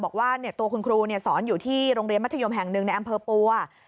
บอกว่าตัวคุณครูสอนอยู่ที่โรงเรียนมัธยมแห่งหนึ่งในอำเภอปัว